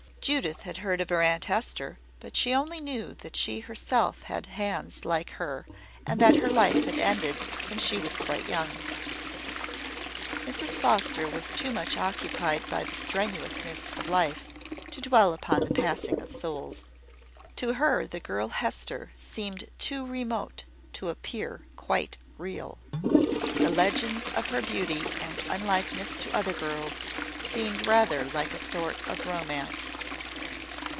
Judith had heard of her Aunt Hester, but she only knew that she herself had hands like her and that her life had ended when she was quite young. Mrs. Foster was too much occupied by the strenuousness of life to dwell upon the passing of souls. To her the girl Hester seemed too remote to appear quite real. The legends of her beauty and unlikeness to other girls seemed rather like a sort of romance.